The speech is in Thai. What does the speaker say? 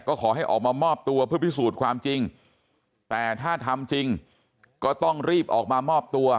ก็ขอให้ออกมามอบตัวเพื่อพิสูจน์ความจริงแต่ถ้าทำจริงก็ต้องรีบออกมามอบตัว